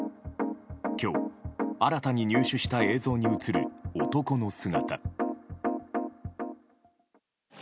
今日新たに入手した映像に映る男の姿。